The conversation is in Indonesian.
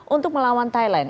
untuk melawan thailand